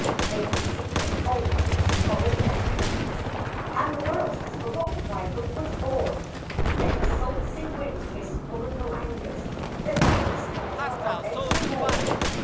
Though the sea is old with its sorrows and angers, And the world has forgotten why love was born, Yet the salt sea wind is full of the languors That Venus taught on her natal morn.